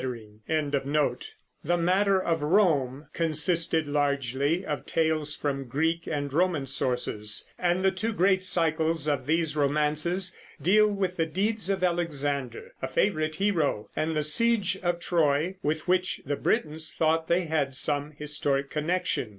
The matter of Rome consisted largely of tales from Greek and Roman sources; and the two great cycles of these romances deal with the deeds of Alexander, a favorite hero, and the siege of Troy, with which the Britons thought they had some historic connection.